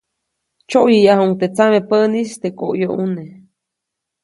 Tsyoʼyäyajuʼuŋ teʼ tsamepäʼnis teʼ koʼyoʼune.